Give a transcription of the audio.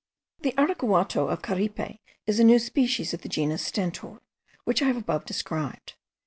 The araguato of Caripe is a new species of the genus Stentor, which I have above described.